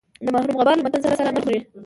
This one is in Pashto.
د مرحوم غبار له متن سره سر نه خوري.